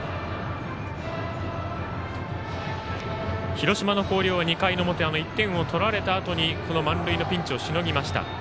広島の広陵は２回の表１点を取られたあとに満塁のピンチをしのぎました。